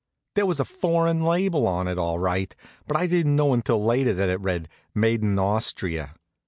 There was a foreign label on it, all right; but I didn't know until later that it read "Made in Austria."